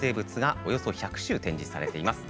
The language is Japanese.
およそ１００種展示されています。